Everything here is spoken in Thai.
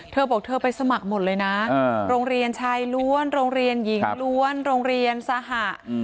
เธอบอกเธอไปสมัครหมดเลยนะโรงเรียนชายล้วนโรงเรียนหญิงล้วนโรงเรียนสหะ